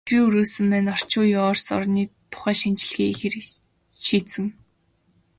Ихрийн өрөөсөн маань орчин үеийн Орос орны тухай шинжилгээ хийхээр шийдсэн.